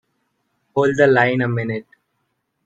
Hold the line a minute.